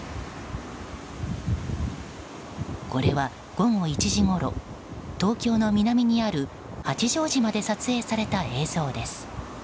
これは、午後１時ごろ東京の南にある八丈島で撮影された映像です。